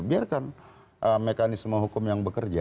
biarkan mekanisme hukum yang bekerja